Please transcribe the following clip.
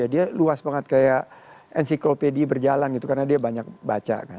dia luas banget kayak enciklopedi berjalan gitu karena dia banyak baca kan